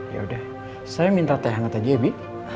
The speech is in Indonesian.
yaudah saya minta teh hangat aja ya bi